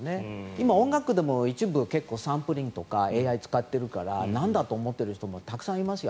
今、音楽でも一部、サンプリングとかＡＩを使っているからなんだと思っている人もたくさんいますよ。